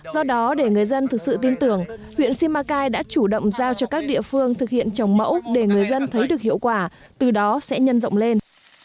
do đó để người dân thực sự tin tưởng huyện simacai đã chủ động giao cho các địa phương thực hiện trồng mẫu để người dân thấy được hiệu quả từ đó sẽ nhân rộng lên